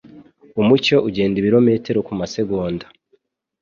Umucyo ugenda ibirometero kumasegonda.